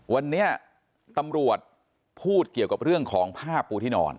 วันนี้ตำรวจพูดเกี่ยวกับเรื่องของผ้าปูที่นอน